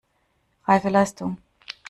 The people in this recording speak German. Reife Leistung!